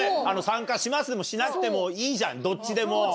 参加しますでもしなくてもいいじゃんどっちでも。